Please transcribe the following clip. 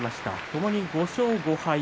ともに５勝５敗。